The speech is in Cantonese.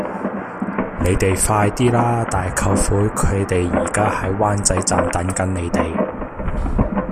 你哋快啲啦!大舅父佢哋而家喺灣仔站等緊你哋